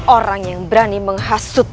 orang yang berani menghasut